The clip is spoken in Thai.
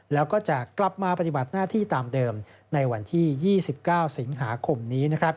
แล้วก็จะกลับมาปฏิบัติหน้าที่ตามเดิมในวันที่๒๙สิงหาคมนี้